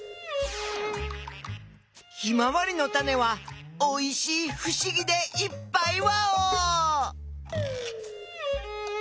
ヒマワリのタネはおいしいふしぎでいっぱいワオ！